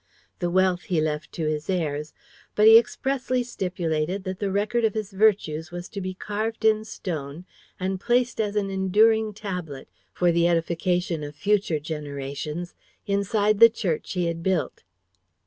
The wealth he left to his heirs, but he expressly stipulated that the record of his virtues was to be carved in stone and placed as an enduring tablet, for the edification of future generations, inside the church he had built.